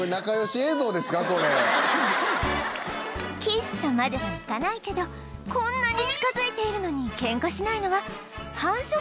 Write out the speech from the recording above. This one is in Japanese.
キスとまではいかないけどこんなに近づいているのにケンカしないのは繁殖期だからとの事でした